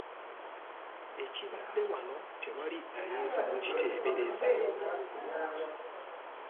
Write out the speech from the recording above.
Ekibadde wano tewali ayinza kukiteebereza.